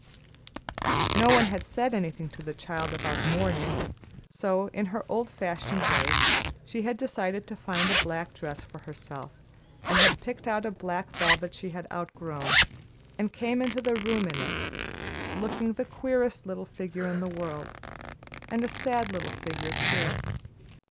No one had said anything to the child about mourning, so, in her old fashioned way, she had decided to find a black dress for herself, and had picked out a black velvet she had outgrown, and came into the room in it, looking the queerest little figure in the world, and a sad little figure too.